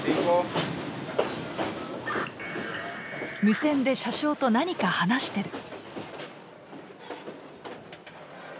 無線で車掌と何か話してる。